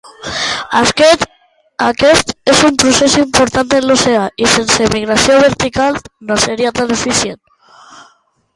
Aquest és un procés important en l'oceà i sense migració vertical, no seria tan eficient.